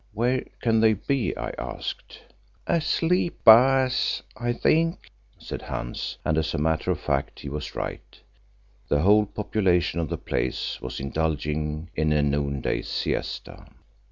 "Where can they be?" I asked. "Asleep, Baas, I think," said Hans, and as a matter of fact he was right. The whole population of the place was indulging in a noonday siesta.